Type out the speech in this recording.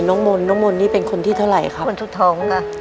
น้องมนต์น้องมนต์นี่เป็นคนที่เท่าไหร่ครับคนสุดท้องค่ะ